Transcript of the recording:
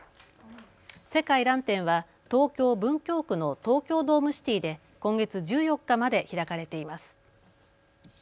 世界らん展は東京文京区の東京ドームシティで今月１４日まで開かれています。